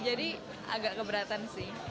jadi agak keberatan sih